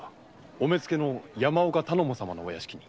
お目付の山岡様のお屋敷に。